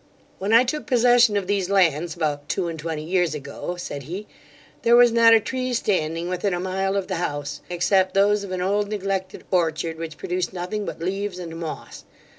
'When I took possession of these lands, about two and twenty years ago (said he), there was not a tree standing within a mile of the house, except those of an old neglected orchard, which produced nothing but leaves and moss.